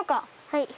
はい。